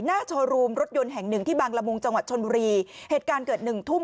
หน้าชอรูมรถยนต์แห่ง๑ที่บางละมุงจชนบุรีเหตุการณ์เกิด๑ทุ่ม